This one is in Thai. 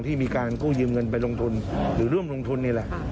ที่มีการกู้ยืมเงินไปลงทุนหรือร่วมลงทุนนี่แหละ